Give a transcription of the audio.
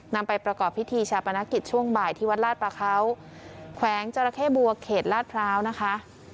นำไปประกอบพิธีชาปนกิจช่วงบ่ายที่วัดลาดประเขาแขวงจราเข้บัวเขตลาดพร้าวนะคะ